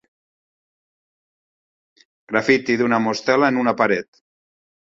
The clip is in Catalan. Graffiti d'una mostela en una paret.